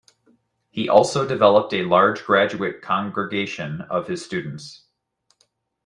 He also developed a large graduate congregation of his students.